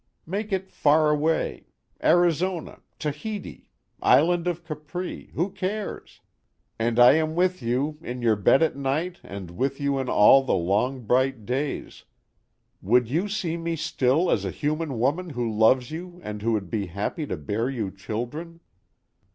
Make it far away Arizona, Tahiti, island of Capri, who cares? and I am with you, in your bed at night and with you in all the long bright days. Would you see me still as a human woman who loves you and who would be happy to bear you children?